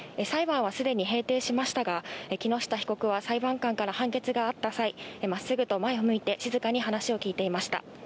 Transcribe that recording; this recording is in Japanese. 裁判はすでに閉廷しましたが木下被告は裁判官から判決があった際、真っすぐと前を向いて、静かに話を聞いていました。